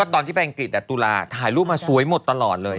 ก็ตอนที่แฟนกรีตอะตุลาถ่ายรูปมาสวยหมดตลอดเลย